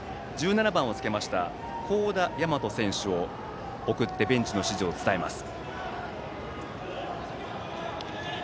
１７番をつけました幸田大和選手を送ってベンチの指示を伝えます。